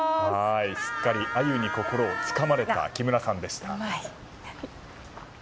すっかりアユに心をつかまれた木村さんでした。